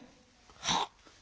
はっ。